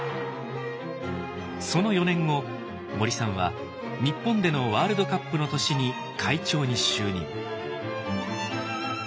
その４年後森さんは日本でのワールドカップの年に会長に就任。